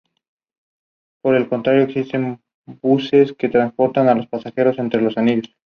Dispone de pilares de mármol blanco y paredes recubiertas de azulejos de cerámica blancos.